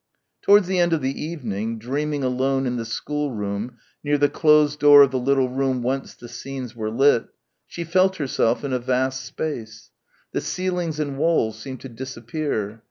Towards the end of the evening, dreaming alone in the schoolroom near the closed door of the little room whence the scenes were lit, she felt herself in a vast space. The ceilings and walls seemed to disappear.